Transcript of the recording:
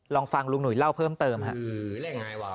ลองฟังลูกหนุ่ยเล่าเพิ่มเติมฮะ